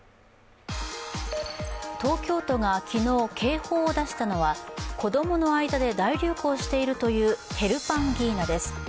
東京都が昨日警報を出したのは子供の間で大流行しているというヘルパンギーナです。